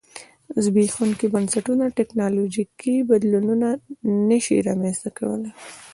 زبېښونکي بنسټونه ټکنالوژیکي بدلونونه نه شي رامنځته کولای.